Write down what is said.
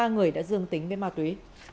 tám mươi ba người đã dương tính với ma túy